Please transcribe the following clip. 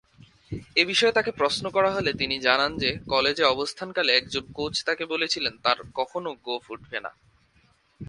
এ বিষয়ে তাকে প্রশ্ন করা হলে তিনি জানান যে, কলেজে অবস্থানকালে একজন কোচ তাকে বলেছিলেন তার কখনো গোঁফ উঠবে না।